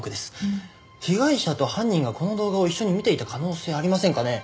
被害者と犯人がこの動画を一緒に見ていた可能性ありませんかね？